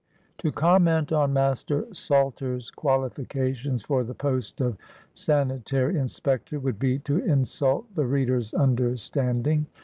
To comment on Master Salter's qualifications for the post of sanitary inspector would be to insult the reader's understanding.